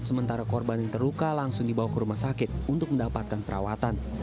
sementara korban yang terluka langsung dibawa ke rumah sakit untuk mendapatkan perawatan